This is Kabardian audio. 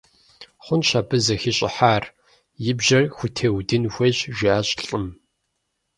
Хъунщ абы зэхищӀыхьар, и бжьэр хутеудын хуейщ, – жиӀащ лӏым.